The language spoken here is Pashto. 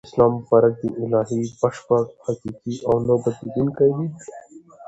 د اسلام مبارک دین الهی ، بشپړ ، حقیقی او نه بدلیدونکی دین دی